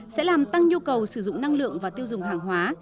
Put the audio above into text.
sẽ làm tăng nhu cầu sử dụng năng lượng và tiêu dùng hàng hóa